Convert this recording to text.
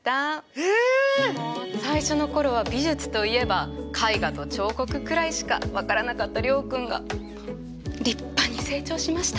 もう最初の頃は美術といえば絵画と彫刻くらいしか分からなかった諒君が立派に成長しました。